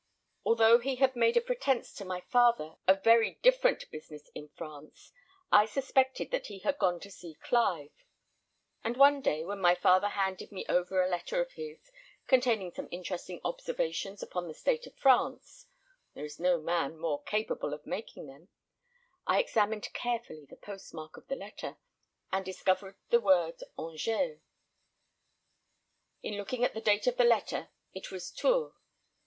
Although he had made a pretence to my father of very different business in France, I suspected that he had gone to see Clive; and one day, when my father handed me over a letter of his, containing some interesting observations upon the state of France there is no man more capable of making them I examined carefully the post mark of the letter, and discovered the word Angers. In looking at the date of the letter, it was Tours.